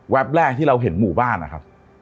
แรกที่เราเห็นหมู่บ้านนะครับ